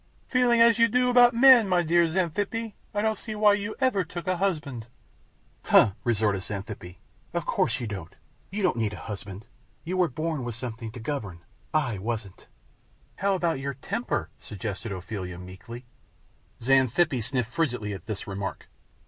"Feeling as you do about men, my dear Xanthippe, I don't see why you ever took a husband." "Humph!" retorted Xanthippe. "Of course you don't. You didn't need a husband. You were born with something to govern. I wasn't." "How about your temper?" suggested Ophelia, meekly. Xanthippe sniffed frigidly at this remark.